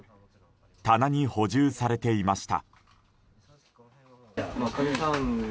棚に補充されていました。